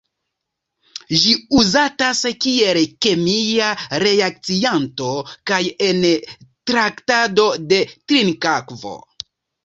Ĝi uzatas kiel kemia reakcianto kaj en traktado de trinkakvo.